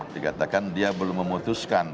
dikatakan dia belum memutuskan